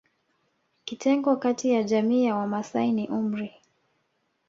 Kitengo kati ya jamii ya Wamasai ni umri